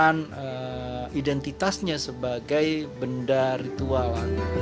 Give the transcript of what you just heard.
dan menggunakan identitasnya sebagai benda ritual